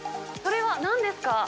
それはなんですか？